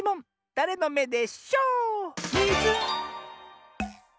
だれのめでショー⁉ミズン！